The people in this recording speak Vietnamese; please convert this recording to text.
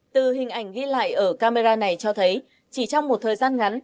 từ hình ảnh ghi lại ở camera này cho thấy chỉ trong một thời gian ngắn